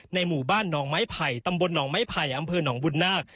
หมู่บ้านหนองไม้ไผ่ตำบลหนองไม้ไผ่อำเภอหนองบุญนาค